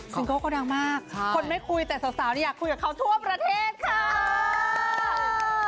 เกิลเขาดังมากคนไม่คุยแต่สาวอยากคุยกับเขาทั่วประเทศค่ะ